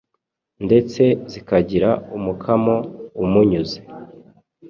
ndetse zikagira umukamo umunyuze.